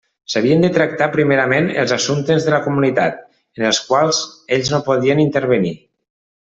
S'havien de tractar primerament els assumptes de la Comunitat, en els quals ells no podien intervenir.